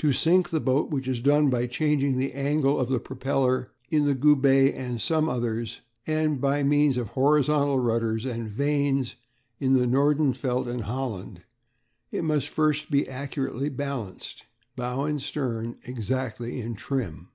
To sink the boat, which is done by changing the angle of the propeller in the Goubet and some others, and by means of horizontal rudders and vanes in the Nordenfelt and Holland, it must first be most accurately balanced, bow and stern exactly in trim.